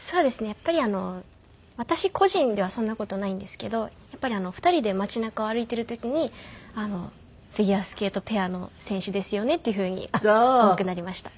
やっぱり私個人ではそんな事ないんですけど２人で街中を歩いている時に「フィギュアスケートペアの選手ですよね？」っていうふうに多くなりました。